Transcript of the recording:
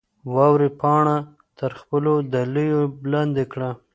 واورې پاڼه تر خپلو دلیو لاندې کړه.